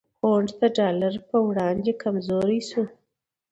پونډ د ډالر په وړاندې کمزوری شو؛